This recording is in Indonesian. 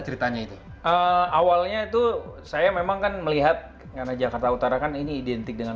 ceritanya itu awalnya itu saya memang kan melihat karena jakarta utara kan ini identik dengan